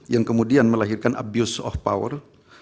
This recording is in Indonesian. yang kemudian melahirkan abuse of power